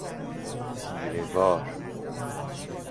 تیره وار